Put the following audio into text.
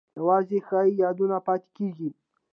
یوازې ښه یادونه پاتې کیږي